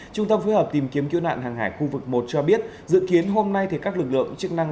trung tâm phối hợp tìm kiếm cứu nạn hàng hải khu vực một cho biết dự kiến hôm nay các lực lượng chức năng